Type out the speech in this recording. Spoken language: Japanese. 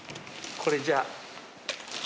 これじゃあ。